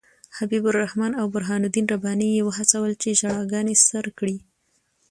حبیب الرحمن او برهان الدین رباني یې وهڅول چې ژړاګانې سر کړي.